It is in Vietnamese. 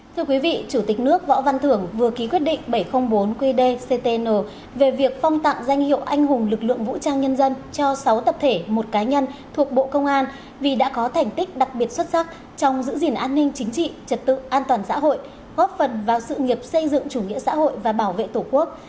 thưa quý vị chủ tịch nước võ văn thưởng vừa ký quyết định bảy trăm linh bốn qd ctn về việc phong tặng danh hiệu anh hùng lực lượng vũ trang nhân dân cho sáu tập thể một cá nhân thuộc bộ công an vì đã có thành tích đặc biệt xuất sắc trong giữ gìn an ninh chính trị trật tự an toàn xã hội góp phần vào sự nghiệp xây dựng chủ nghĩa xã hội và bảo vệ tổ quốc